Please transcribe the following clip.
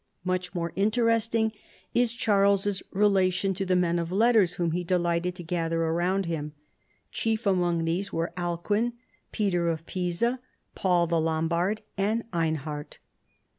Much more interesting is Charles's relation to the men of letters whom he delighted to gather around him. Chief among these were Alcuin, Peter of Pisa, Paul the Lombard, and Einhard.